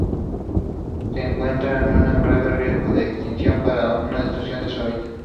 Se encuentra en grave riesgo de extinción, por destrucción de hábitat.